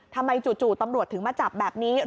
จู่ตำรวจถึงมาจับแบบนี้